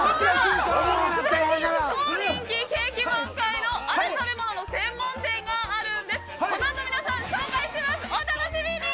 景気満開のある食べ物の専門店があるんです。